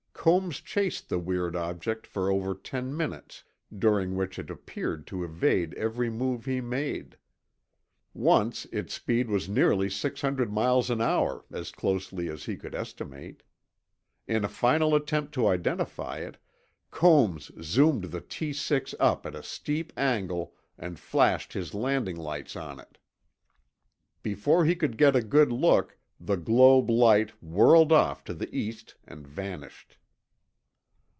Combs chased the weird object for over ten minutes, during which it appeared to evade every move he made. Once, its speed was nearly six hundred miles an hour, as closely as he could estimate. In a final attempt to identify it, Combs zoomed the T 6 up at a steep angle and flashed his landing lights on it. Before he could get a good look, the globe light whirled off to the east and vanished.